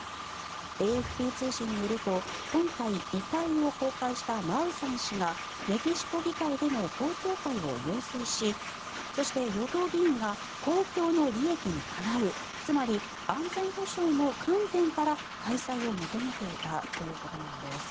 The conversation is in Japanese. ＡＦＰ通信によると今回、遺体を公開したマウサン氏がメキシコ議会での公聴会を要請しそして、与党議員が公共の利益にかなうつまり、安全保障の観点から開催を求めていたということなんです。